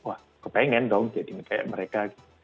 wah kepengen dong jadi kayak mereka gitu